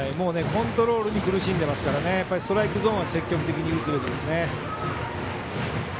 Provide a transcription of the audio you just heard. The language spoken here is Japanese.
コントロールに苦しんでいますからストライクゾーンは積極的に打つべきですね。